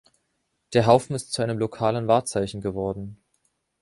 Der Haufen ist zu einem lokalen Wahrzeichen geworden.